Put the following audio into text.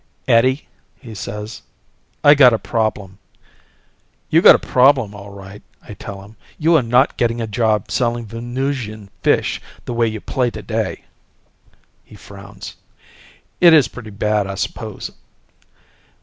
"Eddie," he says, "I got a problem." "You got a problem, all right," I tell him. "You are not getting a job selling Venusian fish, the way you play today." He frowns. "It is pretty bad, I suppose."